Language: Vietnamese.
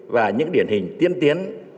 và những điển hình tiên tiến